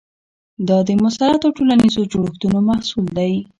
دا د مسلطو ټولنیزو جوړښتونو محصول دی.